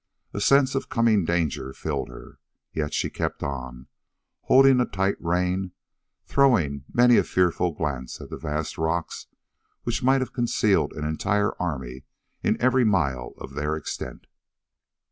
A sense of coming danger filled her. Yet she kept on, holding a tight rein, throwing many a fearful glance at the vast rocks which might have concealed an entire army in every mile of their extent.